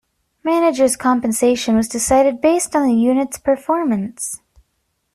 Managers' compensation was decided based on the units' performance.